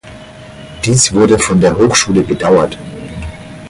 Dies wurde von der Hochschule bedauert.